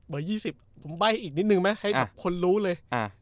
เบอร์ยี่สิบผมใบ้อีกนิดนึงไหมให้คนรู้เลย